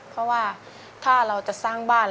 เพราะว่าถ้าเราจะสร้างบ้าน